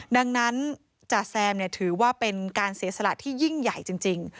ดังนั้นจ่าแซมถือว่าเป็นการเสียสละที่ยิ่งใหญ่จริง